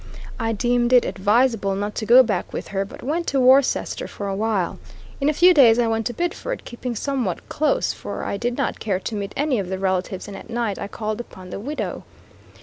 I deemed it advisable not to go back with her, but went to Worcester for a while. In a few days I went to Biddeford, keeping somewhat close, for I did not care to meet any of the relatives, and at night I called upon the widow.